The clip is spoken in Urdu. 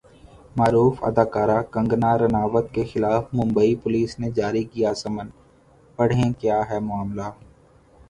معروف اداکارہ کنگنا رناوت کے خلاف ممبئی پولیس نے جاری کیا سمن ، پڑھیں کیا ہے معاملہ